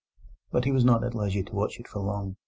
But he was not at leisure to watch it for long.